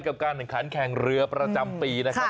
กับการเหนื่อยขานแขงเรือประจำปีนะครับ